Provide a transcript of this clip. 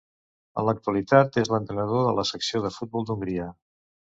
En l'actualitat és l'entrenador de la selecció de futbol d'Hongria.